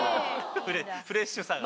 フレッシュさがね。